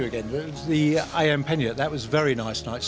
itu adalah penyakit ayam itu sangat enak